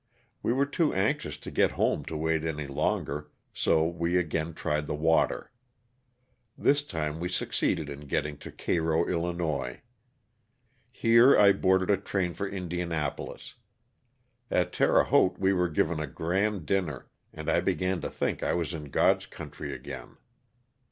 We were too anxious to get home to wait any longer, so we again tried the water. This time we succeeded in getting to Cairo, 111. Here I boarded a train for Indianapolis. At Terre Haute we were given a grand dinner, and I began to think I was in God's country again.